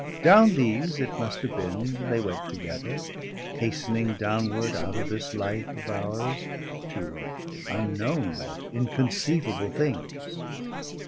Down these it must have been they went together, hastening downward out of this life of ours to unknown and inconceivable things.